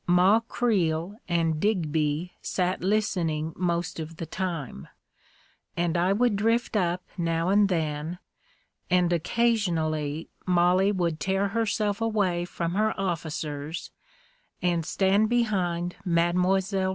Ma Creel and Digby sat listening most of the time, and I would drift up now and then, and occa sionally Mollie would tear herself away from her officers and stand behind Mile.